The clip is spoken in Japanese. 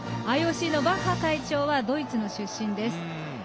ＩＯＣのバッハ会長はドイツの出身です。